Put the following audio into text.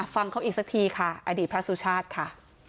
ฟังเขาอีกสักทีค่ะอดีตพระสุชาติค่ะ